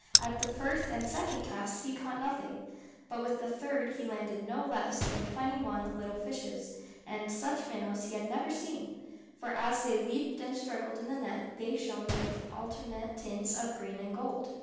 At the first and second casts he caught nothing, but with the third he landed no less than twenty one little fishes, and such minnows he had never seen, for as they leaped and struggled in the net they shone with alternate tints of green and gold.